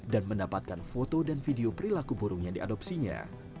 dan mendapatkan foto dan video perilaku burung yang diadopsinya